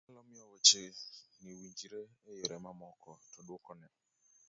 pek nyalo miyo weche ni winjre e yore mamoko to duokone